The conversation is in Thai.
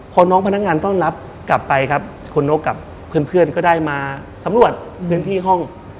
พอน้องพนักงานต้อนรับกลับไปครับคุณนกกับเพื่อนก็ได้มาสำรวจพื้นที่ห้อง